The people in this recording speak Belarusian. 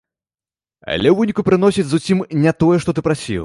Але ў выніку прыносяць зусім не тое, што ты прасіў.